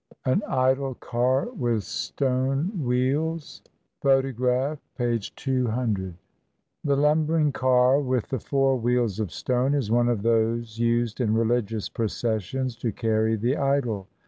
AN IDOL CAR WITH STONE WHEELS AN IDOL CAR WITH STONE WHEELS The lumbering car with the four wheels of stone is one of those used in religious processions to carry the idol.